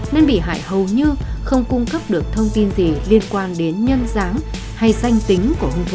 nên bị hại hầu như không cung cấp được thông tin gì liên quan đến nhân giáng hay danh tính của hung thủ